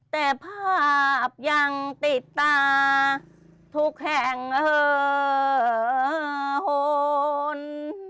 แต่ภาพยังติดตาทุกแห่งเออหน